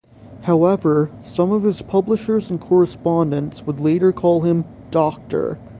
However, some of his publishers and correspondents would later call him "Doctor".